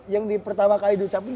yang pertama kali diucapin